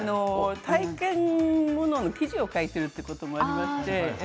体験ものの記事を書いているということもありまして